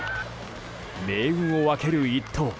命運を分ける１投。